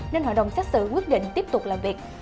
nên hội đồng xét xử quyết định tiếp tục làm việc